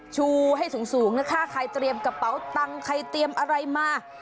ชูให้สูงนะคะใครเตรียมกระเป๋าตังค์ใครเตรียมอะไรมา